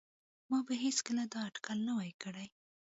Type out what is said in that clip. ما به هیڅکله دا اټکل نه وای کړی